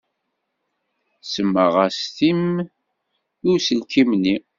Semmaɣ-as Tim i uselkim-nni.